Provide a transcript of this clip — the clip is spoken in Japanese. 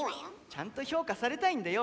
ちゃんと評価されたいんだよ。